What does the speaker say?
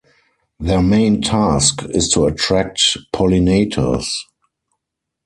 Their main task is to attract pollinators.